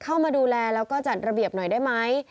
เข้ามาดูแลแล้วก็จัดระเบียบหน่อยได้ไหม